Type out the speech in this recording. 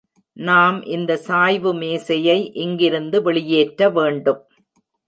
நாம் இந்த சாய்வு மேசையை இங்கிருந்து வெளியேற்ற வேண்டும்.